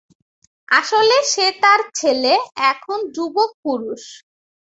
আসলে সে তার ছেলে, এখন যুবক পুরুষ।